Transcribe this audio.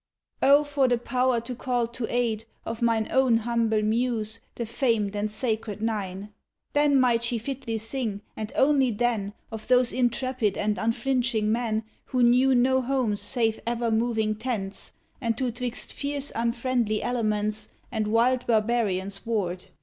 Oh, for the power to call to aid, of mine Own humble Muse, the famed and sacred nine. Then might she fitly sing, and only then, Of those intrepid and unflinching men Who knew no homes save ever moving tents, And who 'twixt fierce unfriendly elements And wild barbarians warred.